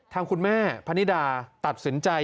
ทางคุณแม่พนิดาตัดสินใจ